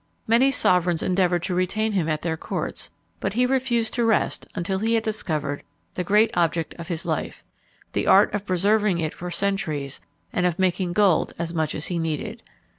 Many sovereigns endeavoured to retain him at their courts; but he refused to rest until he had discovered the great object of his life the art of preserving it for centuries, and of making gold as much as he needed.